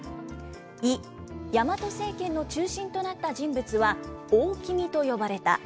イ、大和政権の中心となった人物は大王と呼ばれた。